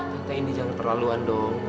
tante ini jangan perlaluan dong